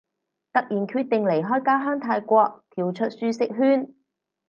突然決定離開家鄉泰國，跳出舒適圈